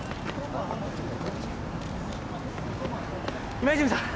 今泉さん。